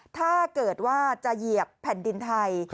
ถ้าเกิดว่าจะเหยียบแผ่นดินไทย